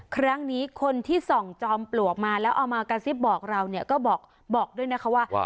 ครั้งนี้คนที่ส่องจอมปลวกมาแล้วเอามากระซิบบอกเราเนี่ยก็บอกด้วยนะคะว่า